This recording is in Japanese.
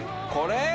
これ？